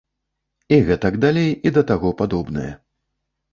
І гэтак далей, і да таго падобнае.